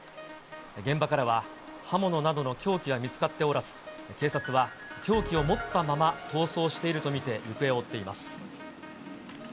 現場からは刃物などの凶器は見つかっておらず、警察は凶器を持ったまま逃走していると見て、行方を追っています。